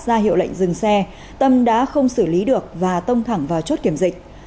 ra hiệu lệnh dừng xe tâm đã không xử lý được và tông thẳng vào chốt kiểm dịch